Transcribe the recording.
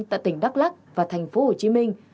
tại tỉnh đắk lắc và thành phố hồ chí minh